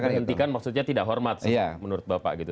kalau diberhentikan maksudnya tidak hormat menurut bapak